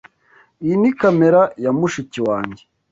Iyi ni kamera ya mushiki wanjye.